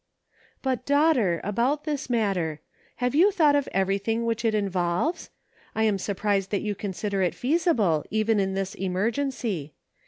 " But, daughter, about this matter ; have you thought of every thing which it involves ? I am sur prised that you consider it feasible even in this emergency.